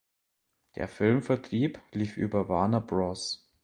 Der Filmvertrieb lief über Warner Bros.